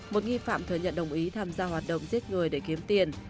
một nghi phạm thừa nhận đồng ý tham gia hoạt động giết người để kiếm tiền